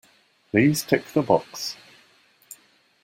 Please tick the box